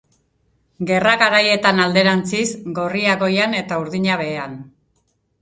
Gerra garaietan alderantziz: gorria goian eta urdina behean.